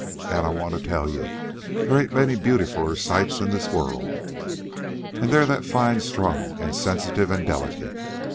I wanta tell you they ain't many beautifuler sights in this world. An' they're that fine strung, an' sensitive, an' delicate.